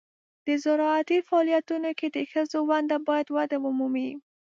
د زراعتي فعالیتونو کې د ښځو ونډه باید وده ومومي.